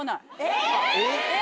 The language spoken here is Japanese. えっ！